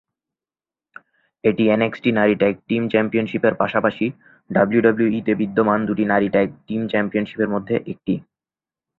এটি এনএক্সটি নারী tag team চ্যাম্পিয়নশিপের পাশাপাশি ডাব্লিউডাব্লিউইতে বিদ্যমান দুটি নারী ট্যাগ টিম চ্যাম্পিয়নশিপের মধ্যে একটি।